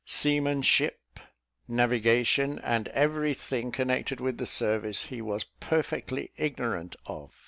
Seamanship, navigation, and every thing connected with the service, he was perfectly ignorant of.